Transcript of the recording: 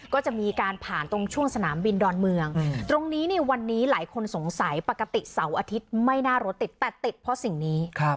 ก็จะมีการผ่านตรงช่วงสนามบินดอนเมืองตรงนี้วันนี้หลายคนสงสัยปกติเสาร์อาทิตย์ไม่น่ารถติดแต่ติดเพราะสิ่งนี้